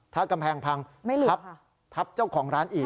ถ้ากำแพงพังทับเจ้าของร้านอีก